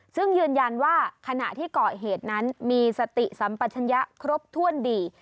ซึ่งยืนยันว่าขณะที่เกาะเหตุนั้นมีสติสัมปัชญะครบถ้วนดี